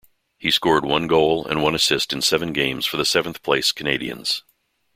He scored one goal and one assist in seven games for the seventh-place Canadians.